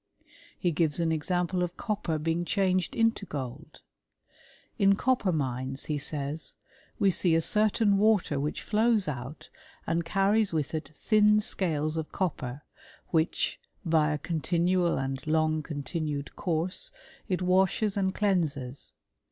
"J He gives an example of copper being changed into gold. " In copper mines," he says, *' we see a certain water which flows out, and carries with it thin scales of copper, which (by a con tinual and long continued course) it washes and cleanses.